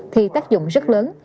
thì tác dụng rất lớn